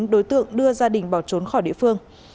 bốn đối tượng đưa gia đình bỏ trốn khỏi địa phương